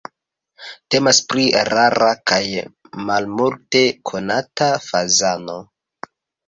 Temas pri rara kaj malmulte konata fazano.